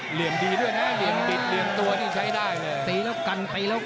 เหลี่ยมดีด้วยนะเหลี่ยมปิดหรือเหลี่ยมตัวที่ใช้ได้เลย